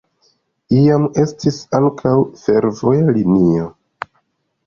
Iam estis ankaŭ fervoja linio.